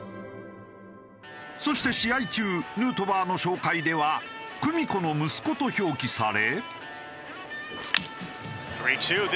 そして試合中ヌートバーの紹介では「久美子の息子」と表記され。